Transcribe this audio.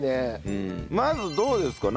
まずどうですか？